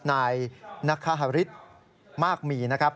นายนคะหาฮะฤษมาร์กหมีนะครับ